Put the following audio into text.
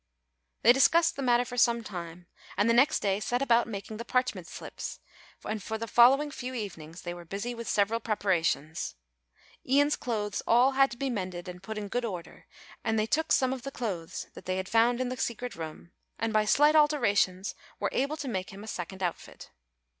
They discussed the matter for some time and the next day set about making the parchment slips, and for the following few evenings they were busy with several preparations. Ian's clothes all had to be mended and put in good order and they took some of the clothes that they had found in the secret room and by slight alterations were able to make him a second outfit.